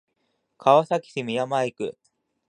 川崎市宮前区